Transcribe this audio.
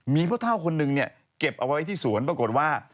มีพ่อเท่าคนนึงเนี่ยเก็บเอาไว้ที่สวนปรากฏว่า